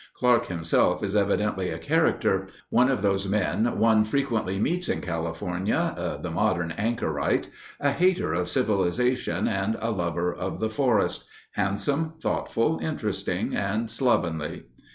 Clark himself is evidently a character; one of those men one frequently meets in California—the modern anchorite—a hater of civilization and a lover of the forest—handsome, thoughtful, interesting, and slovenly.